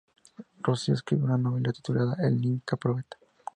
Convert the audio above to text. Rocío escribió una novela titulada "El Inca Probeta".